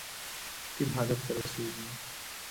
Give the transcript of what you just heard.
ټیم هدف ته رسیږي